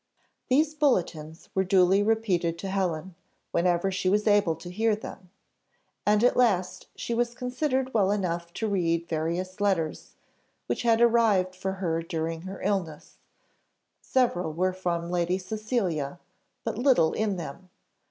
These bulletins were duly repeated to Helen, whenever she was able to hear them; and at last she was considered well enough to read various letters, which had arrived for her during her illness; several were from Lady Cecilia, but little in them.